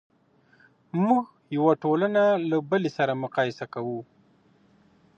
موږ یوه ټولنه له بلې سره مقایسه کوو.